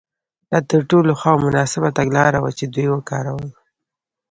دا تر ټولو ښه او مناسبه تګلاره وه چې دوی وکارول.